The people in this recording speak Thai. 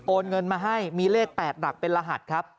เงินมาให้มีเลข๘หลักเป็นรหัสครับ